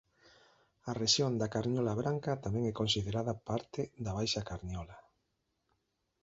A rexión da Carniola Branca tamén é considerada parte da Baixa Carniola.